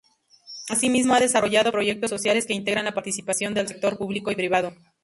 Asimismo, ha desarrollado proyectos sociales que integran la participación del sector público y privado.